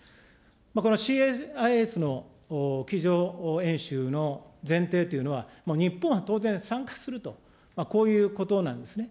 このＣＳＩＳの机上演習の前提というのは、日本は当然参加すると、こういうことなんですね。